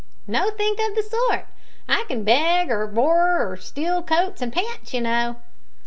"Nothink of the sort; I can beg or borrer or steal coats and pants, you know."